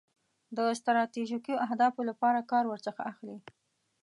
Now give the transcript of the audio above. د ستراتیژیکو اهدافو لپاره کار ورڅخه اخلي.